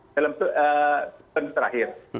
dalam penuh terakhir